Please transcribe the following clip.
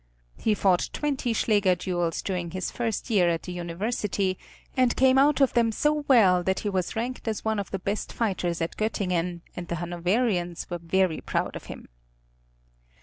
He fought twenty schläger duels during his first year at the University, and came out of them so well that he was ranked as one of the best fighters at Göttingen, and the Hanoverians were very proud of him.